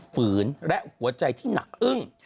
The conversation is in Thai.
ฝืนและหัวใจที่หนักอึ้ง